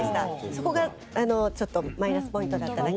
そこがちょっとマイナスポイントだっただけです。